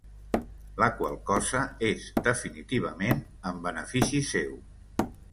La qual cosa és definitivament en benefici seu".